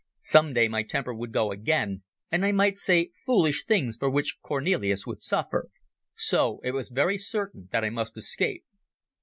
Some day my temper would go again, and I might say foolish things for which Cornelis would suffer. So it was very certain that I must escape.